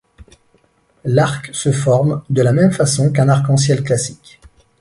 L'arc se forme de la même façon qu'un arc-en-ciel classique.